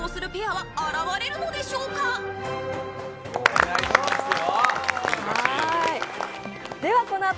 お願いしますよ！